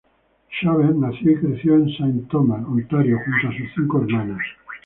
Shaver nació y creció en Saint Thomas, Ontario, junto a sus cinco hermanas.